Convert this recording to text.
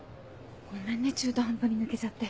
ごめんね中途半端に抜けちゃって。